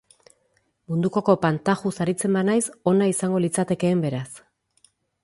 Munduko kopan tajuz aritzen banaiz ona izango litzatekeen beraz.